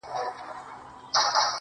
منصور میدان ته بیایي غرغړې دي چي راځي٫